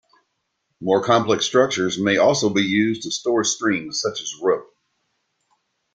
More complex structures may also be used to store strings such as the rope.